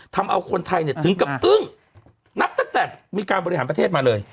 ทำเอาคนไทยเนี่ยถึงกับอึ้งนับตั้งแต่มีการบริหารประเทศมาเลย